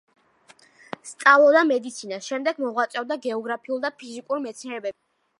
სწავლობდა მედიცინას, შემდეგ მოღვაწეობდა გეოგრაფიულ და ფიზიკურ მეცნიერებებში.